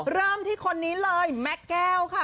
เริ่มที่คนนี้เลยแม่แก้วค่ะ